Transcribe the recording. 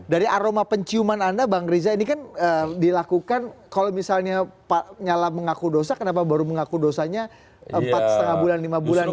dari aroma penciuman anda bang riza ini kan dilakukan kalau misalnya pak nyala mengaku dosa kenapa baru mengaku dosanya empat lima bulan lima bulan